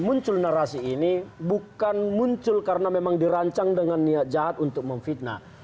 muncul narasi ini bukan muncul karena memang dirancang dengan niat jahat untuk memfitnah